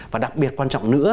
và đặc biệt quan trọng nữa